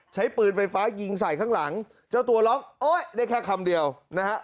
ใช้ปืนไฟฟ้ายิงใส่ข้างหลังเจ้าตัวร้องโอ๊ยได้แค่คำเดียวนะฮะ